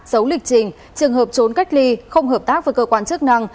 giấu lịch trình trường hợp trốn cách ly không hợp tác với cơ quan chức năng